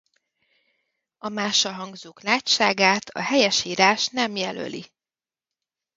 A mássalhangzók lágyságát a helyesírás nem jelöli.